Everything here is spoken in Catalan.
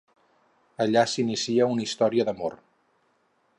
Allà s'inicia una història d'amor.